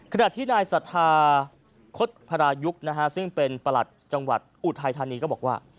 ขณะที่นายสัทธาคดศพรายุกซึ่งเป็นประหลัดจังหวัดอุทัยธานีก็บอกว่า